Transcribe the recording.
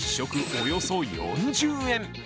およそ４０円。